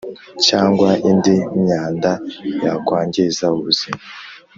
cyangwa indi myanda yakwangiza ubuzima